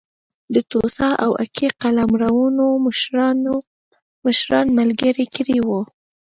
د توسا او اکي قلمرونو مشران ملګري کړي وو.